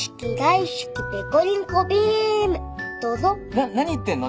なっ何言ってんの？